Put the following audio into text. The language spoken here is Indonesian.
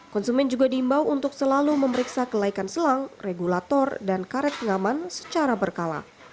konsumen juga diimbau untuk selalu memeriksa kelaikan selang regulator dan karet pengaman secara berkala